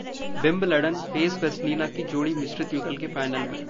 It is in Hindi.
विंबलडन: पेस-वेस्नीना की जोड़ी मिश्रित युगल के फाइनल में